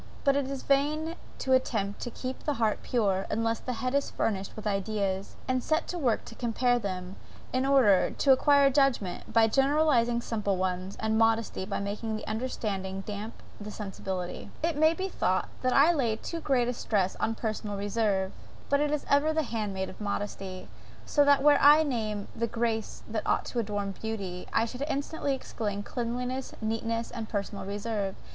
But it is vain to attempt to keep the heart pure, unless the head is furnished with ideas, and set to work to compare them, in order, to acquire judgment, by generalizing simple ones; and modesty by making the understanding damp the sensibility. It may be thought that I lay too great a stress on personal reserve; but it is ever the hand maid of modesty. So that were I to name the graces that ought to adorn beauty, I should instantly exclaim, cleanliness, neatness, and personal reserve.